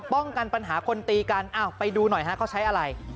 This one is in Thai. ป้องกันปัญหาคนตีกันไปดูหน่อยฮะเขาใช้อะไร